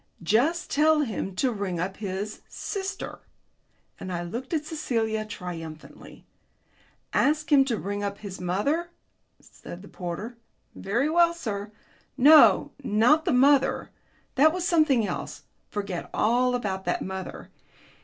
Just tell him to ring up his sister." And I looked at Celia triumphantly. "Ask him to ring up his mother," said the porter. "Very well, sir." "No, not the mother. That was something else. Forget all about that mother.